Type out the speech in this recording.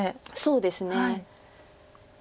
そうですね。